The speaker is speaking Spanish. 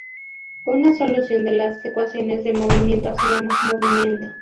Una solución de las ecuaciones de movimiento se llama "movimiento".